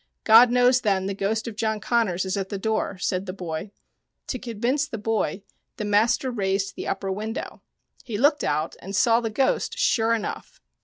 " God knows, then, the ghost of John Connors is at the door," said the boy. To convince the boy, the master raised the upper window. He looked out and saw the ghost sure enough.